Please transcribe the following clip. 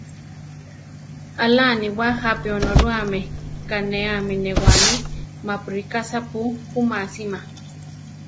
Aʼl aníwa jápi Onorúame kanéami newáli, mapu ríka sapú ku másima.